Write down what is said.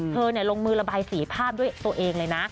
ลงมือระบายสีภาพด้วยตัวเองเลยนะ